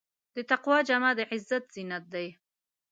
د تقوی جامه د عزت زینت دی.